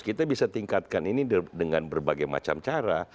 kita bisa tingkatkan ini dengan berbagai macam cara